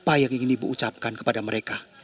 apa yang ingin ibu ucapkan kepada mereka